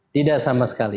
tidak sama sekali